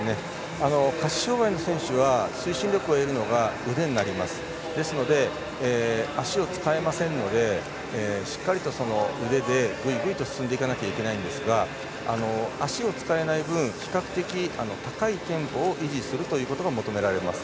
下肢障がいの選手は推進力を得るのが腕になるので足を使いませんのでしっかりと腕でぐいぐいと進んでいかなきゃいけないんですが足を使えない分比較的高いテンポを維持することが求められます。